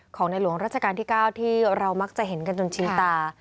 ในหลวงราชการที่๙ที่เรามักจะเห็นกันจนชี้ตา